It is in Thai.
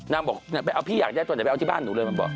บอกไปเอาพี่อยากได้ตัวไหนไปเอาที่บ้านหนูเลยมาบอก